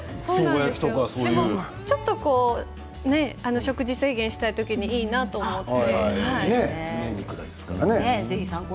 ちょっと食事制限をしたい時にいいなって思って。